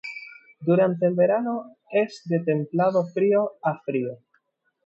Durante el verano es de templado-frío a frío.